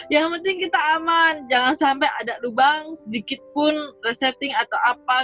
yang penting kita aman jangan sampai ada lubang sedikit pun resetting atau apa